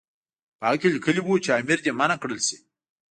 په هغه کې لیکلي وو چې امیر دې منع کړل شي.